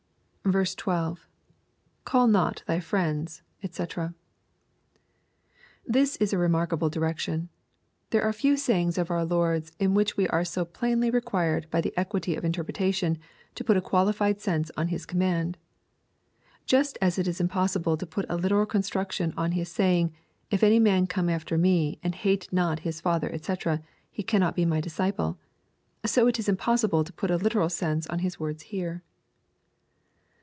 12. — [CaXL not thy friends^ d)c.] This is a remarkable direction. There are few sayings of our Lord's in which we are so plainly required by the equity of interpretation, to put a quahfied sense on his command. Just as it is impossible to put a literal construc tion on His saying, "if any man come after me and Jiaie not his father, &c., he cannot be my disciple," so it is impossible to put a literal sense on His words here.